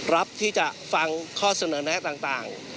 รับที่จะฟังข้อเสนอแนะต่าง